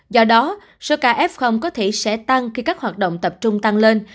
do đó số ca f có thể sẽ tăng khi các hoạt động tập trung tăng lên